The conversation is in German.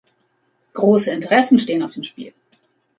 Große Interessen stehen auf dem Spiel.